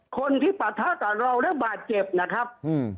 คนที่ประทะกับเราและบาดเจ็บนะครับ